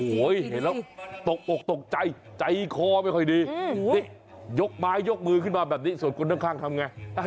โหเห็นเราก็ตกใจไอะใจคอไม่ค่อยดียกม้ายอยกมือขึ้นมาแบบนี้ส่วนคนข้างทำการไง